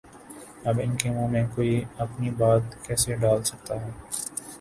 اب ان کے منہ میں کوئی اپنی بات کیسے ڈال سکتا ہے؟